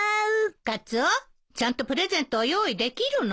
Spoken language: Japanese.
カツオちゃんとプレゼントを用意できるの？